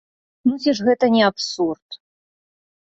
Ну ці ж гэта не абсурд?!